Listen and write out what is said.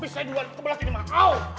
please saya duluan kebelet ini maaf